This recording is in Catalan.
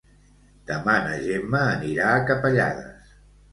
Demà na Gemma anirà a Capellades.